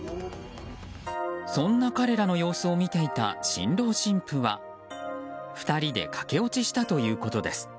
そんな彼らの様子を見ていた新郎新婦は２人で駆け落ちしたということです。